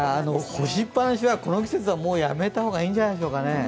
干しっぱなしはこの季節はもうやめた方がいいんじゃないですかね。